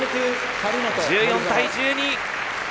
１４対１２！